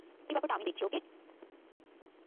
এই ব্যাপারটা আমি দেখছি, ওকে?